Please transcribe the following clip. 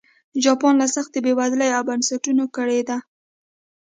جاپان له سختې بېوزلۍ او بنسټونو کړېده.